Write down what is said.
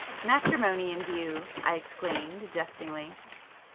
Matrimony in view!" I exclaimed jestingly.